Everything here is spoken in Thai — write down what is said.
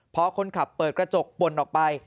พอคนขับเปิดกระจกปนออกไป